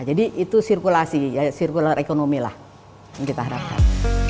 jadi itu sirkulasi sirkuler ekonomi lah yang kita harapkan